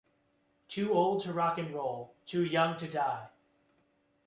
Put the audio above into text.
Too Old to Rock 'n' Roll: Too Young to Die!